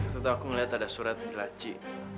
tentu aku ngelihat ada surat di laci